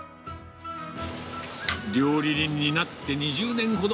料理人になって２０年ほど。